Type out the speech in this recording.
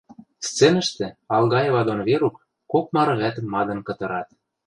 Сценӹштӹ Алгаева дон Верук кок мары вӓтӹм мадын кытырат.